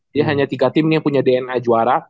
dia hanya tiga tim yang punya dna juara